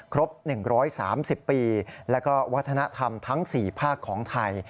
ครบ๑๓๐ปีและก็วัฒนธรรมทั้ง๔ภาคของไทย